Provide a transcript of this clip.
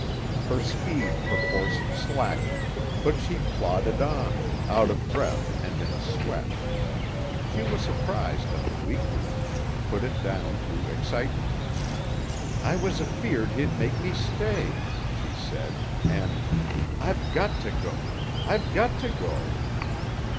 Her speed perforce slackened, but she plodded on, out of breath and in a sweat. She was surprised at the weakness; put it down to excitement. "I was afeered he'd make me stay," she said, and, "I've got to go. I've got to go."